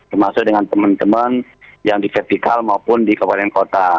termasuk dengan teman teman yang di vertikal maupun di kabupaten kota